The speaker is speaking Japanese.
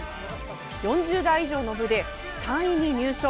４０代以上の部で３位に入賞。